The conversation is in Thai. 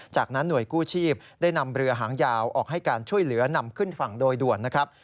จากนั้นหน่วยกู้ชีพได้นำเรือหางยาวออกให้การช่วยเหลือนำขึ้นฝั่งโดยด่วนนะครับ